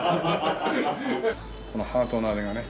このハートのあれがね。